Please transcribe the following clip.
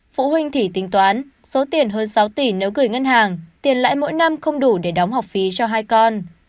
phụ huynh thì tính toán số tiền hơn sáu tỷ nếu gửi ngân hàng tiền lãi mỗi năm không đủ để đóng học phí cho hai con